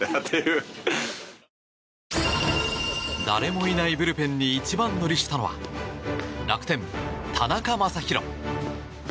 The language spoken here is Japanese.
誰もいないブルペンに一番乗りしたのは楽天、田中将大。